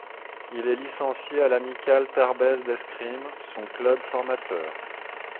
Il est licencié à l’Amicale tarbaise d'escrime, son club formateur.